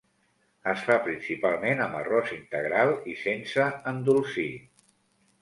Es fa principalment amb arròs integral i sense endolcir.